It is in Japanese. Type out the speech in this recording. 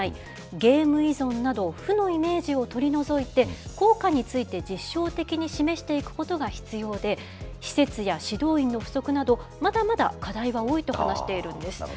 ゲーム依存など、負のイメージを取り除いて、効果について実証的に示していくことが必要で、施設や指導員の不足など、まだまだ課題は多いと話しているんです。